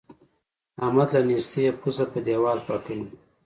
احمد له نېستۍ پزه په دېوال پاکوي.